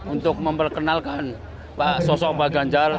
untuk memperkenalkan sosok banteng muda indonesia